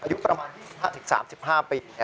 อายุประมาณ๕๓๕ปี